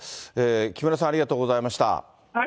木村さん、ありがとうございました。